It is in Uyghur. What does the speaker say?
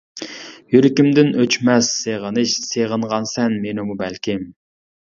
يۈرىكىمدىن ئۆچمەس سېغىنىش، سېغىنغانسەن مېنىمۇ بەلكىم.